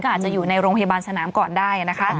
อาจจะอยู่ในโรงพยาบาลสนามก่อนได้นะคะ